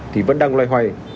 thì vẫn đang loay hoay